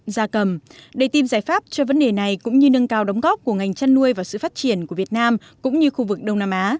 gia cầm để tìm giải pháp cho vấn đề này cũng như nâng cao đóng góp của ngành chăn nuôi và sự phát triển của việt nam cũng như khu vực đông nam á